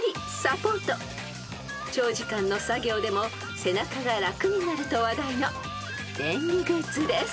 ［長時間の作業でも背中が楽になると話題の便利グッズです］